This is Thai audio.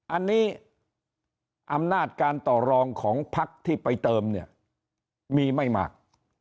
อันนี้อำนาจการต่อรองของพักที่ไปเติมเนี่ยมีไม่มาก